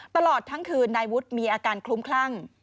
ตลอดทั้งคืนนายวุฒิมีอาการคลุ้มคลั่ง